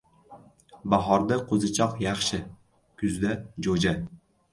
• Bahorda qo‘zichoq yaxshi, kuzda ― jo‘ja.